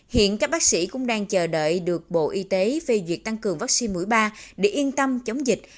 hiện các bác sĩ cũng đang chờ đợi được bộ y tế phê duyệt tăng cường vaccine mũi ba để yên tâm chống dịch